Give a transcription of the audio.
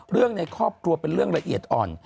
ในครอบครัวเป็นเรื่องละเอียดอ่อน